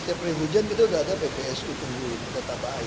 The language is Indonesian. setiap hari hujan sudah ada ppsu tunggu tetap air